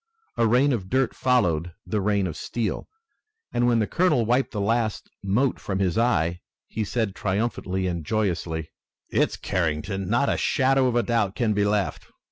A rain of dirt followed the rain of steel, and, when the colonel wiped the last mote from his eye, he said triumphantly and joyously: "It's Carrington! Not a shadow of doubt can be left!